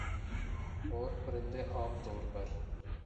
اورپرندے عام طور پر